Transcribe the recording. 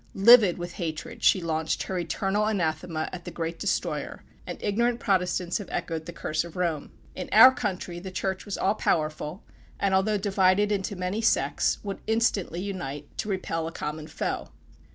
Livid with hatred she launched her eternal anathema at the great destroyer, and ignorant Protestants have echoed the curse of Rome. In our country the Church was all powerful, and although divided into many sects, would instantly unite to repel a common foe.